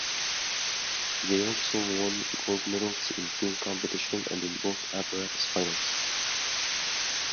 They also won gold medals in team competition and in both apparatus finals.